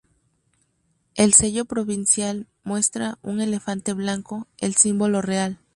El sello provincial muestra un elefante blanco, el símbolo real.